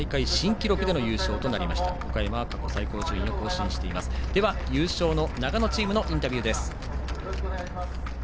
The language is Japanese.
では、優勝の長野チームのインタビューです。